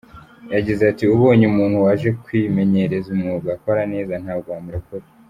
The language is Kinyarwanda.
Yagize ati “Ubonye umuntu waje kwimenyereza umwuga akora neza, ntabwo wamurekura.